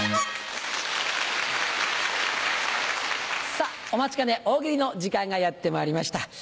さぁお待ちかね大喜利の時間がやってまいりました。